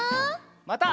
また。